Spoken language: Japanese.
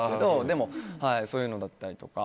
でも、そういうのだったりとか。